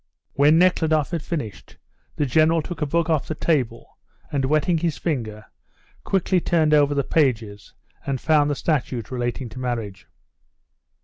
When Nekhludoff had finished, the General took a book off the table, and, wetting his finger, quickly turned over the pages and found the statute relating to marriage.